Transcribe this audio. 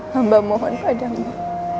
hamba mohon padamu